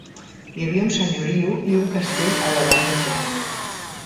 Hi havia un senyoriu i un castell a l'edat mitjana.